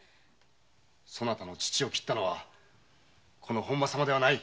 そなたの父を斬ったのは本間様ではない！